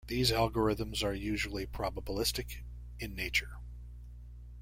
These algorithms are usually probabilistic in nature.